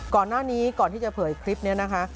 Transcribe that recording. ก่อนหน้านี้ก่อนที่จะเผยคลิปนี้นะคะ